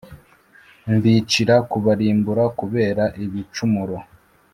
Mbicira kubarimbura kubera ibicumuro